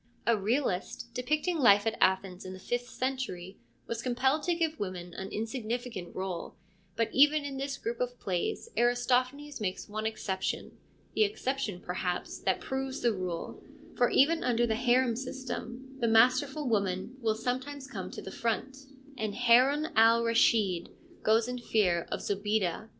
A realist, depicting life at Athens in the fifth cen tury, was compelled to give women an insignificant role, but even in this group of plays Aristophanes makes one exception, the exception, perhaps, that proves the rule, for even under the harem system the L 154 FEMINISM IN GREEK LITERATURE masterful woman will sometimes come to the front, and Haroun al Raschid goes in fear of Zobeida.